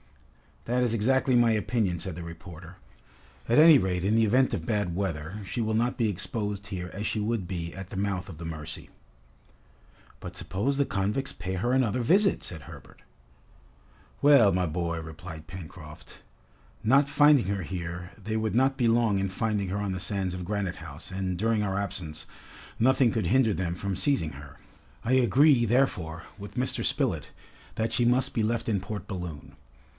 "That is exactly my opinion," said the reporter. "At any rate in the event of bad weather, she will not be exposed here as she would be at the mouth of the Mercy." "But suppose the convicts pay her another visit," said Herbert. "Well, my boy," replied Pencroft, "not finding her here, they would not be long in finding her on the sands of Granite House, and, during our absence, nothing could hinder them from seizing her! I agree, therefore, with Mr. Spilett, that she must be left in Port Balloon.